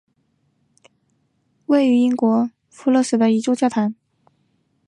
贝弗利大教堂是位于英国英格兰东约克郡贝弗利的一座教堂。